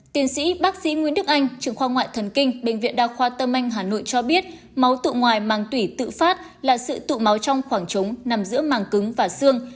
tiến sĩ bác sĩ nguyễn đức anh trường khoa ngoại thần kinh bệnh viện đa khoa tâm anh hà nội cho biết máu tụ ngoài mang tủy tự phát là sự tụ máu trong khoảng trống nằm giữa màng cứng và xương